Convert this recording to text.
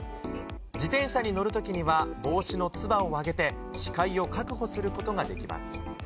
自転車に乗るときには、帽子のつばを上げて、視界を確保することができます。